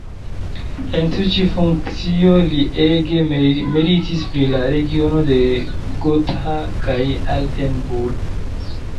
En tiu ĉi funkcio li ege meritis pri la regiono de Gotha kaj Altenburg.